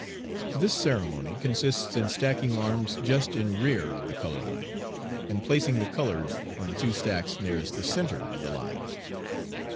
This ceremony consists in stacking arms just in rear of the color line, and placing the colors on the two stacks nearest the centre of the line.